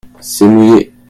c'est mouillé.